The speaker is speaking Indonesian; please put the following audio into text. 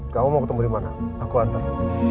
kamu mau ketemu dimana aku antar